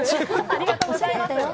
ありがとうございます。